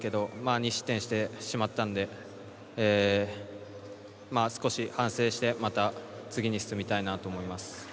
２失点してしまったので、少し反省して、また次に進みたいなと思います。